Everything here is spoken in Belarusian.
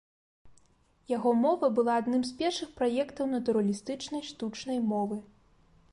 Яго мова была адным з першых праектаў натуралістычнай штучнай мовы.